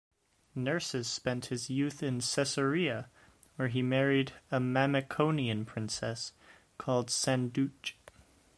Nerses spent his youth in Caesarea where he married a Mamikonian Princess called Sanducht.